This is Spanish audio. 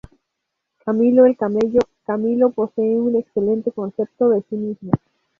Camilo el camello: Camilo posee un excelente concepto de sí mismo.